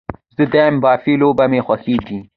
زه د ایم با في لوبه مې خوښیږي